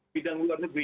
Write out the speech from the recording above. bidang luar negeri